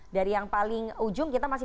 dari yang paling ujung kita masih